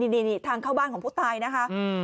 นี่ทางเข้าบ้านของผู้ตายนะคะ